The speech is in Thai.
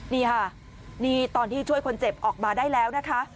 นี่ค่ะนี่ตอนที่ช่วยคนเจ็บออกมาได้แล้วนะคะ